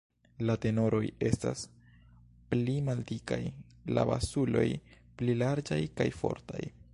La tenoroj estas pli maldikaj, la basuloj pli larĝaj kaj fortaj.